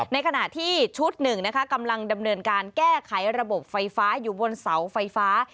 ในขณะที่ชุดหนึ่งนะคะกำลังดำเนินการแก้ไขระบบไฟฟ้าอยู่บนเสาไฟฟ้า